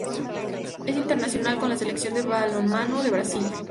Es internacional con la Selección de balonmano de Brasil.